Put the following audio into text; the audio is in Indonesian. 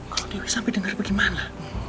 kalo dewi sampai denger gimana